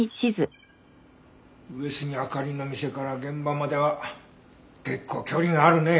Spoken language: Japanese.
上杉明里の店から現場までは結構距離があるね。